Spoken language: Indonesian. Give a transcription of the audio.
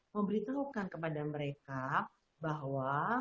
memberitahukan kepada mereka bahwa